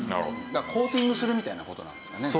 だからコーティングするみたいな事なんですかね。